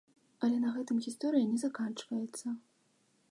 Але на гэтым гісторыя не заканчваецца.